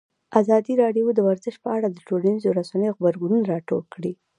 ازادي راډیو د ورزش په اړه د ټولنیزو رسنیو غبرګونونه راټول کړي.